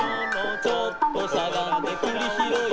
「ちょっとしゃがんでくりひろい」